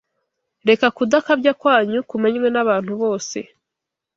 Reka kudakabya kwanyu kumenywe n’abantu bose.